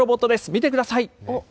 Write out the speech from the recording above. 見てください。